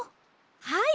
はい！